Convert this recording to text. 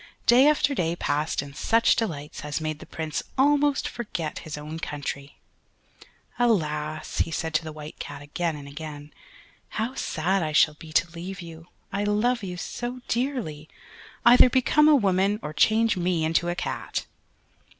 Day after day passed in such delights as made the Prince almost forget his own country. "Alas!" said he to the White Cat again and again, "how sad I shall be to leave you! I love you so dearly! Either become a woman, or change me into a cat!"